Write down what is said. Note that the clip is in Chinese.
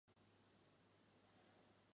舞律世界被激烈的舞法战役彻底摧毁。